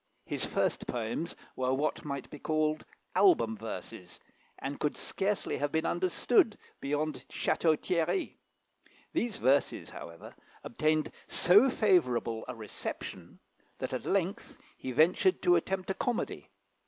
His first poems were what might be called album verses, and could scarcely have been understood beyond Château Thierry. These verses, however, obtained so favourable a reception, that at length he ventured to attempt a comedy.